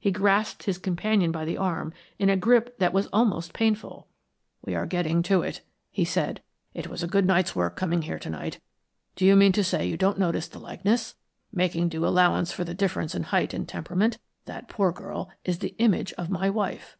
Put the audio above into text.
He grasped his companion by the arm in a grip that was almost painful. "We are getting to it," he said. "It was a good night's work coming here to night. Do you mean to say you don't notice the likeness? Making due allowance for the difference in height and temperament, that poor girl is the image of my wife."